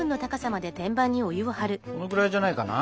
このくらいじゃないかな？